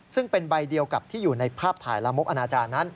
ซึ่งเป็นใบเดียวกับที่อยู่ในภาพถ่ายละมกอนาจารย์นั้น